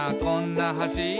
こんな橋」